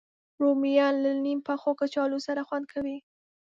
رومیان له نیم پخو کچالو سره خوند کوي